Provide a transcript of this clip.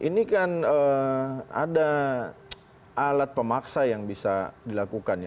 ini kan ada alat pemaksa yang bisa dilakukan ya